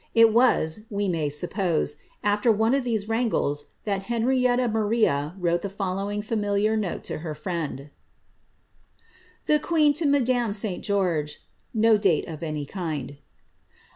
It was, we may suppose, afler one of these wrangles that Henrietta Maria wrote the following fiimiliar note to her friend :— Turn QusxH TO Madams St. Oiobsb.^ [No date of anj kind.